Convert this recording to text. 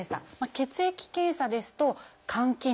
血液検査ですと肝機能。